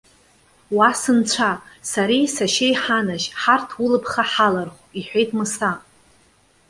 Уа, сынцәа! Сареи сашьеи иҳанажь, ҳарҭ улԥха ҳалархә!- иҳәеит Мыса.